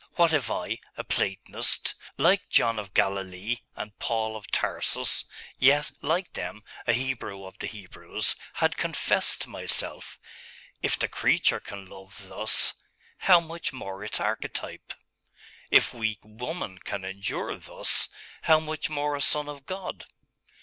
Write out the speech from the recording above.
What if I, a Platonist, like John of Galilee, and Paul of Tarsus, yet, like them, a Hebrew of the Hebrews, had confessed to myself If the creature can love thus, how much more its archetype? If weak woman can endure thus, how much more a Son of God?